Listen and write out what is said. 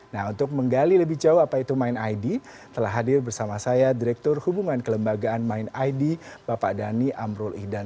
nah untuk menggali lebih jauh apa itu mind id telah hadir bersama saya direktur hubungan kelembagaan mind id bapak dhani amrul ihdan